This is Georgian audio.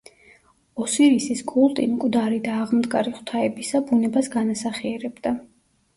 ოსირისის კულტი, მკვდარი და აღმდგარი ღვთაებისა ბუნებას განასახიერებდა.